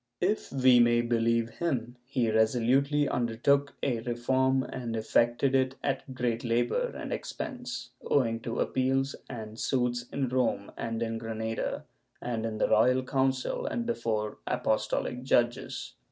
If we may believe him, he resolutely undertook a reform and effected it at great labor and expense, owing to appeals and suits in Rome and in Granada and in the Royal Council and before apostohc judges.